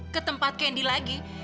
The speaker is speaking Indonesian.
ketempat candy lagi